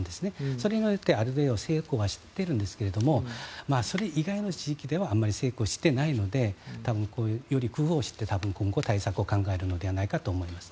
それによってある程度成功はしているんですけどそれ以外の地域ではあまり成功していないのでより工夫をして今後対策を行うんじゃないかと思いますね。